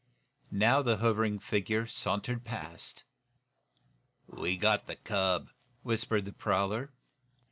Now, the hovering figure sauntered past. "We got the cub," whispered the prowler.